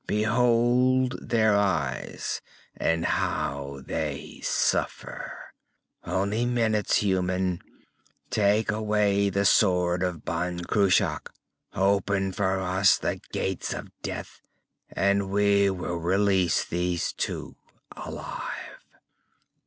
Behold their eyes, and how they suffer! "Only minutes, human! Take away the sword of Ban Cruach! Open for us the Gates of Death, and we will release these two, alive."